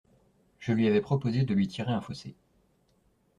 Je lui avais proposé de lui tirer un fossé.